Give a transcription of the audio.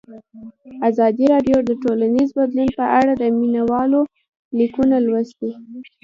ازادي راډیو د ټولنیز بدلون په اړه د مینه والو لیکونه لوستي.